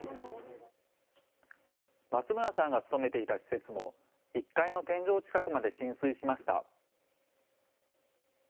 松村さんが勤めていた施設も１階の天井近くまで浸水しました。